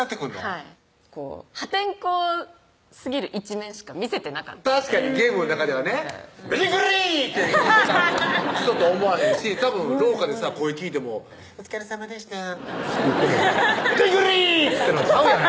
はい破天荒すぎる一面しか見せてなかったので確かにゲームの中ではね「なんじゃコラー！」って言うてた人とは思わへんしたぶん廊下でさ声聞いても「お疲れさまでした」って言ってるのが「なんじゃコラー！」ってちゃうやん